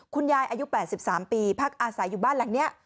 อายุ๘๓ปีพักอาศัยอยู่บ้านหลังนี้